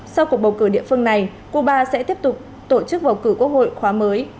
sau cuộc bầu cử địa phương này cuba sẽ tiếp tục tổ chức bầu cử quốc hội khóa mới có nhiệm kỳ năm năm